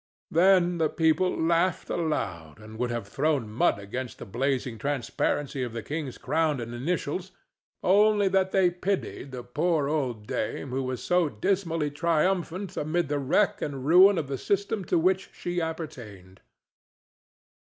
Then the people laughed aloud, and would have thrown mud against the blazing transparency of the king's crown and initials, only that they pitied the poor old dame who was so dismally triumphant amid the wreck and ruin of the system to which she appertained.